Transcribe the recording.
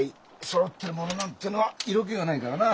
そろってるものなんてのは色気がないからな。